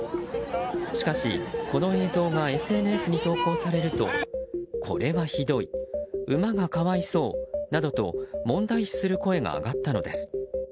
しかし、この映像がＳＮＳに投稿されるとこれはひどい、馬が可哀想などと問題視する声が上がったのです。